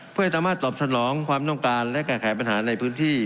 เพื่อให้สามารถตอบสนองความต้องการและแก้ไขปัญหาในพื้นที่